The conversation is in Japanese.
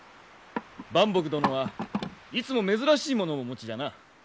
伴卜殿はいつも珍しいものをお持ちじゃな。